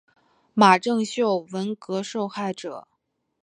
马正秀文革受害者。